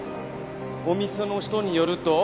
お店の人によると。